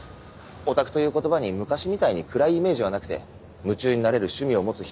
オタクという言葉に昔みたいに暗いイメージはなくて夢中になれる趣味を持つ人